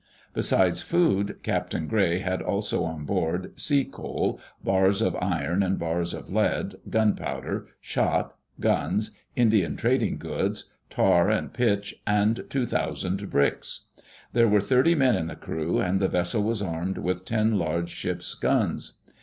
Besides food. Captain Gray had also on board sea coal, bars of iron and bars of lead, gunpowder, shot, guns, Indian trading goods, tar and pitch, and two thousand bricks. There were thirty men in the crew, and the vessel was armed with ten large ships' guns.